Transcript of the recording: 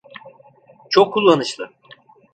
Çok kullanışlı.